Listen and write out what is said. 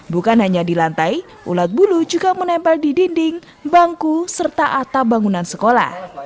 bukan hanya di lantai ulat bulu juga menempel di dinding bangku serta atap bangunan sekolah